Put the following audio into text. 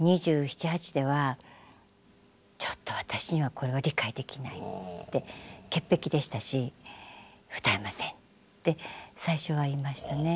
２７２８ではちょっと私にはこれは理解できないって潔癖でしたし「歌えません」って最初は言いましたね。